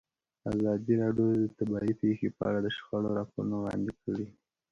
ازادي راډیو د طبیعي پېښې په اړه د شخړو راپورونه وړاندې کړي.